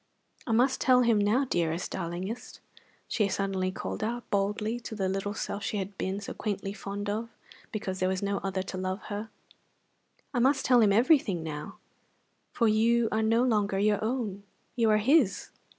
I must tell him now, dearest, darlingest," she suddenly called out boldly to the little self she had been so quaintly fond of because there was no other to love her. "I must tell him everything now, for you are no longer your own. You are his."